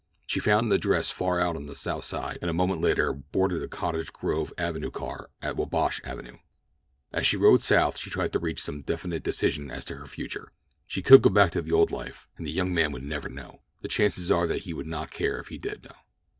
She found an address far out on the South Side, and a moment later boarded a Cottage Grove Avenue car at Wabash Avenue. As she rode South she tried to reach some definite decision as to her future. She could go back to the old life, and the young man would never know. The chances are that he would not care if he did know.